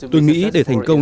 tôi nghĩ để thành công